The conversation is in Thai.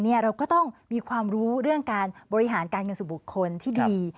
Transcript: เราก็ต้องมีความรู้เรื่องการบริหารการเงินสู่บุคคลที่ดี